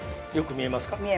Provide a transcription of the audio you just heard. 見えます。